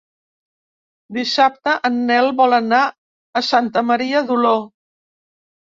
Dissabte en Nel vol anar a Santa Maria d'Oló.